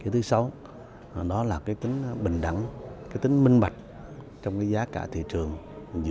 thứ sáu là tính bình đẳng tính minh mạch trong giá cả thị trường